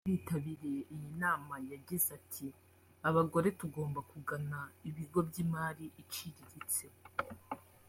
umwe mu bari bitabiriye iyi nama yagize ati “Abagore tugomba kugana ibigo by’imari iciriritse